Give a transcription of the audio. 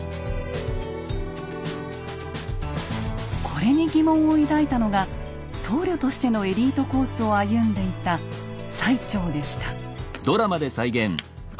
これに疑問を抱いたのが僧侶としてのエリートコースを歩んでいた最澄でした。